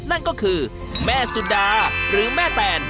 นั่นก็คือแม่สุดาหรือแม่แตน